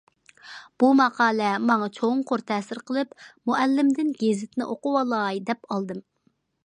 بۇ ماقالە ماڭا چوڭقۇر تەسىر قىلىپ، مۇئەللىمدىن گېزىتنى ئوقۇۋالاي دەپ ئالدىم.